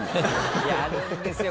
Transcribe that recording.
いやあるんですよ。